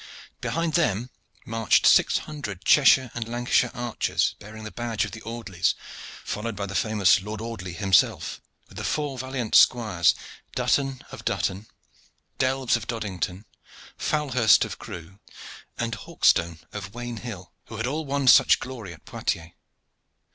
Behind them marched six hundred Cheshire and Lancashire archers, bearing the badge of the Audleys, followed by the famous Lord Audley himself, with the four valiant squires, Dutton of Dutton, Delves of Doddington, Fowlehurst of Crewe, and Hawkestone of Wainehill, who had all won such glory at Poictiers.